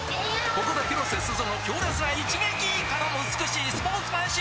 ここで広瀬すずの強烈な一撃！からの美しいスポーツマンシップ！